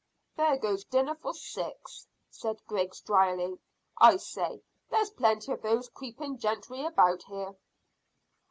"There goes dinner for six," said Griggs dryly. "I say, there's plenty of those creeping gentry about here."